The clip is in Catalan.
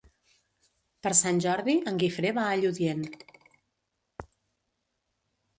Per Sant Jordi en Guifré va a Lludient.